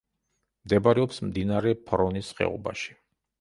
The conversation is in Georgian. მდებარეობს მდინარე ფრონის ხეობაში.